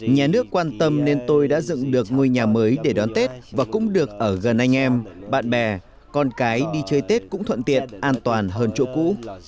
nhà nước quan tâm nên tôi đã dựng được ngôi nhà mới để đón tết và cũng được ở gần anh em bạn bè con cái đi chơi tết cũng thuận tiện an toàn hơn chỗ cũ